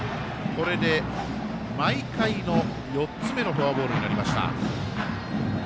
これで、毎回の４つ目のフォアボールになりました。